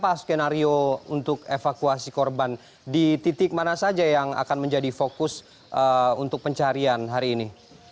apa skenario untuk evakuasi korban di titik mana saja yang akan menjadi fokus untuk pencarian hari ini